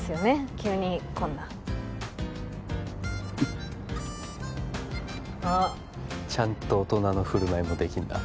急にこんなあっちゃんと大人の振る舞いもできんだ